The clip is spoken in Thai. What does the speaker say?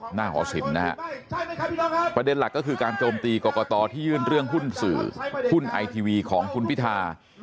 หอศิลป์นะฮะประเด็นหลักก็คือการโจมตีกรกตที่ยื่นเรื่องหุ้นสื่อหุ้นไอทีวีของคุณพิธา